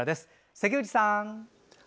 関口さん！